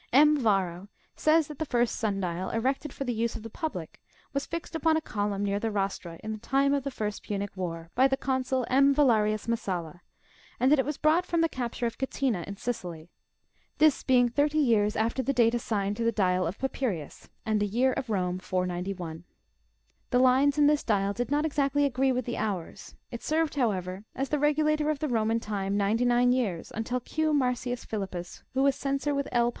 M. Yarro"'^ says that the first sun dial, erected for the use of the public, was fixed upon a column near the Rostra, ini the time of the first Punic war, by the consul M. Yalerius Messala, and that it was brought from the capture of Catina, in Sicily : this being thirty years after the date assigned to the dial of Papirius, and the year of Eome 491. The lines in this dial did not exactly agree with the hours ^^ it served, however, as the regulator of the Roman time ninety nine years, until Q. Marcius Philippus, who was censor with L.